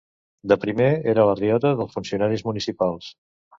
De primer era la riota dels funcionaris municipals.